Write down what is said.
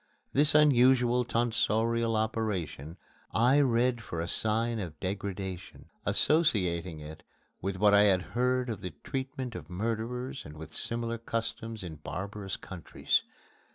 This unusual tonsorial operation I read for a sign of degradation associating it with what I had heard of the treatment of murderers and with similar customs in barbarous countries.